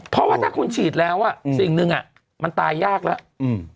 เพราะว่าถ้าคุณฉีดแล้วอ่ะสิ่งหนึ่งอ่ะมันตายยากแล้วอืม